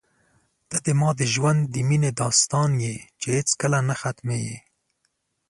ته زما د ژوند د مینې داستان یې چې هېڅکله نه ختمېږي.